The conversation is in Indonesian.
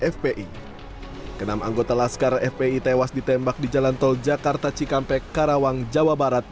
fpi enam anggota laskar fpi tewas ditembak di jalan tol jakarta cikampek karawang jawa barat